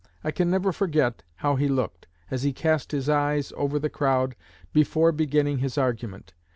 I can never forget how he looked, as he cast his eyes over the crowd before beginning his argument.